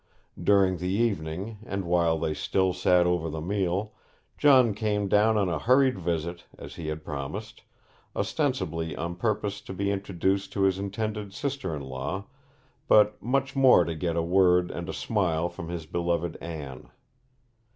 During the evening, and while they still sat over the meal, John came down on a hurried visit, as he had promised, ostensibly on purpose to be introduced to his intended sister in law, but much more to get a word and a smile from his beloved Anne.